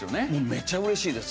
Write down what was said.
めっちゃ嬉しいです。